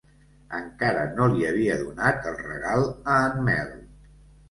Encara no li havia donat el regal a en Mel.